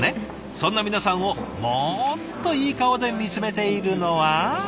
そんな皆さんをもっといい顔で見つめているのは。